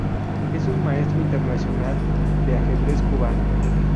Es un Maestro Internacional de ajedrez cubano.